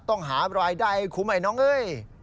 ต้องหารายไดคุมไอ้น้องเอย